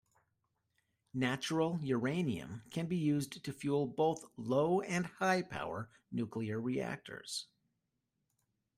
Natural uranium can be used to fuel both low- and high-power nuclear reactors.